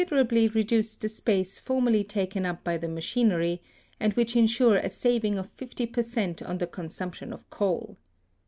24 HISTORY OP ably reduce the space formerly taken up by the machinery, and which insure a saving of 50 per cent on the consumption of coal.